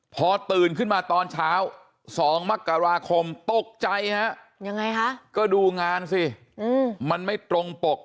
พอตื่นขึ้นมาตอนเช้า๒มกราคมตกใจฮะยังไงคะก็ดูงานสิมันไม่ตรงปก